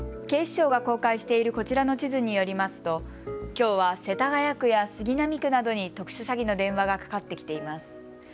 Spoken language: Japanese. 警視庁が公開しているこちらの地図によりますときょうは世田谷区や杉並区などに特殊詐欺の電話がかかってきています。